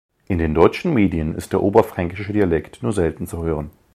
In den deutschen Medien ist der oberfränkische Dialekt nur selten zu hören.